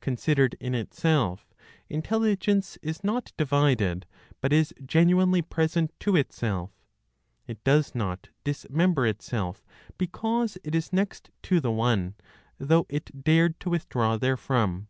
Considered in itself, Intelligence is not divided, but is genuinely present to itself. It does not dismember itself because it is next to the One, though it dared to withdraw therefrom.